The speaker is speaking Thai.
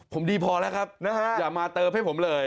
ผมดีพอแล้วครับนะฮะอย่ามาเติมให้ผมเลย